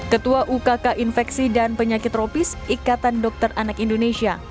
ketua ukk infeksi dan penyakit tropis ikatan dokter anak indonesia